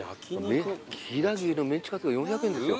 飛騨牛のメンチカツが４００円ですよ。